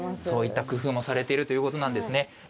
そういった工夫もされているということなんですね。